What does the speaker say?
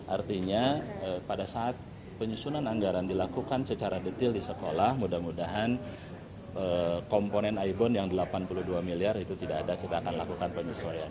artinya pada saat penyusunan anggaran dilakukan secara detail di sekolah mudah mudahan komponen aibon yang delapan puluh dua miliar itu tidak ada kita akan lakukan penyesuaian